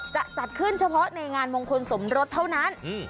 จะจัดขึ้นเฉพาะในงานมงคลสมรสเท่านั้น